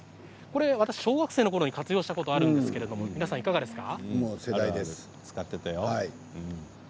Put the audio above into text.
小学生のころ活用したことがあるんですけれど皆さん、いかがですか。